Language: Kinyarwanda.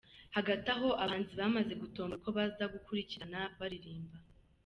Hagati aho abahanzi bamaze gutombora uko baza gukurikirana baririmba.